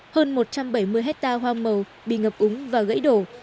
hơn một trăm bảy mươi hectare hoa màu bị ngập úng và gãy đổ